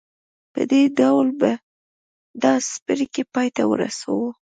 په دې ډول به دا څپرکی پای ته ورسوو